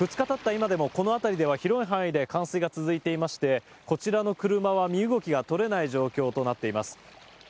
今でもこの辺りでは広い範囲で冠水が続いていましてこちらの車は身動きが取れない状況となっています。